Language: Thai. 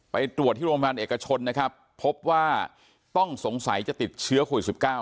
ไปตรวจที่โรงพยาบาลเอกชนนะครับพบว่าต้องสงสัยจะติดเชื้อโควิด๑๙